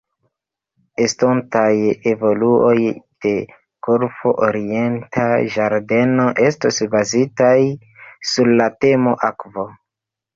Estontaj evoluoj de Golfo Orienta Ĝardeno estos bazitaj sur la temo 'akvo'.